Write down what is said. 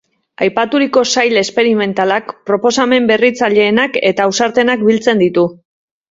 Aipaturiko sail esperimentalak proposamen berritzaileenak eta ausartenak biltzen ditu.